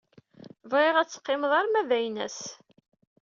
Bɣiɣ ad teqqimed arma d aynas.